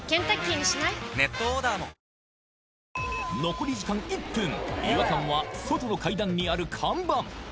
残り時間１分違和感は外の階段にある看板